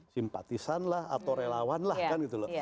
simpatisan lah atau relawan lah kan gitu loh